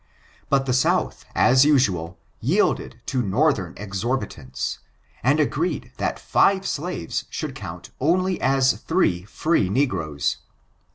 But the Souths as usual, yielded to Northern exorbitance, and agreed that five slaves should count only as three free negroes.